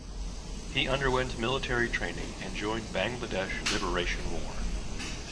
He underwent military training and joined Bangladesh Liberation War.